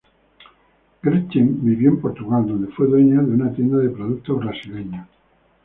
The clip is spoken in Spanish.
Gretchen vivió en Portugal, donde fue dueña de una tienda de productos brasileños.